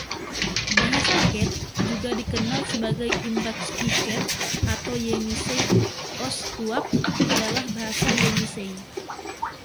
Bahasa Ket, juga dikenal sebagai Imbatski-Ket atau Yenisei Ostyak, adalah bahasa Yenisei.